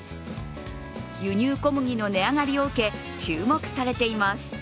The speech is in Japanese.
輸入小麦の値上がりを受け注目されています。